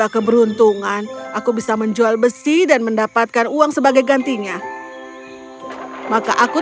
keberuntungan aku bisa menjual besi dan mendapatkan uang sebagai gantinya maka aku